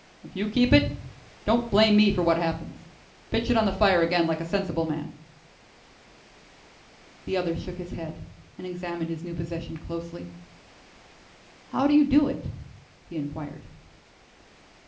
If you keep it, don't blame me for what happens. Pitch it on the fire again like a sensible man." The other shook his head and examined his new possession closely. "How do you do it?" he inquired.